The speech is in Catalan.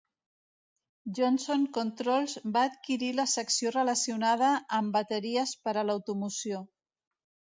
Johnson Controls va adquirir la secció relacionada amb bateries per a l'automoció.